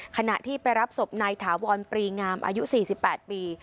ขณะที่ไปรับศพนายถาวรปรีงามอายุ๔๘ปี